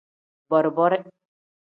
Bori-bori.